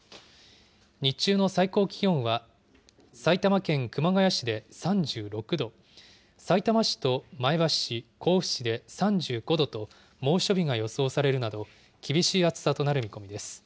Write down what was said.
日中の最高気温は、埼玉県熊谷市で３６度、さいたま市と前橋市、甲府市で３５度と、猛暑日が予想されるなど、厳しい暑さとなる見込みです。